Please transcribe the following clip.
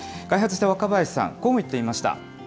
開発した若林さん、こうも言っていました。